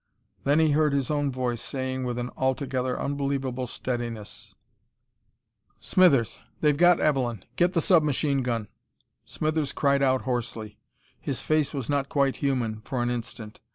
Then he heard his own voice saying with an altogether unbelievable steadiness: "Smithers! They've got Evelyn. Get the sub machine gun." Smithers cried out hoarsely. His face was not quite human, for an instant.